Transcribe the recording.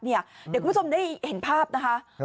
เดี๋ยวคุณผู้ชมได้เห็นภาพนะคะ